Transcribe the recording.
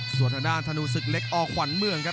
ส่วนทางด้านธนูศึกเล็กอขวัญเมืองครับ